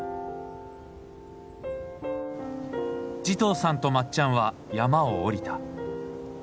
慈瞳さんとまっちゃんは山を下りた。